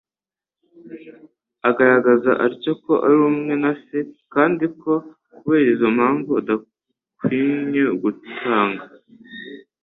Agaragaza atyo ko ari umwe na Se, kandi ko kubera izo mpamvu adakwinye gutanga